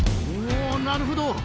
おなるほど！